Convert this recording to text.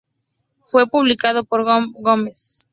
Fue publicado por Armor Games.